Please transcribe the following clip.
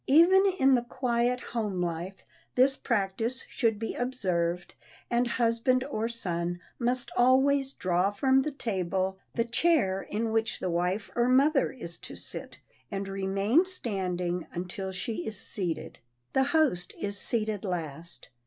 Even in the quiet home life this practise should be observed, and husband or son must always draw from the table the chair in which the wife or mother is to sit, and remain standing until she is seated. The host is seated last.